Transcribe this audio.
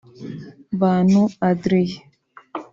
Bantu Adrien